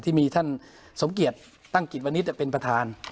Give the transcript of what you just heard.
ที่มีท่านสมเกียจตั้งกิจวันนี้เป็นประธาน